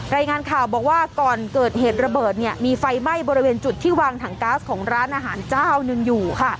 รายงานข่าวบอกว่าก่อนเกิดเหตุระเบิดเนี่ยมีไฟไหม้บริเวณจุดที่วางถังก๊าซของร้านอาหารเจ้าหนึ่งอยู่ค่ะ